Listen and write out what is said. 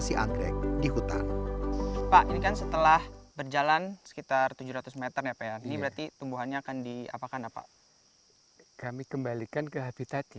iya ini berarti tumbuhannya akan diapakan apa kami kembalikan ke habitatnya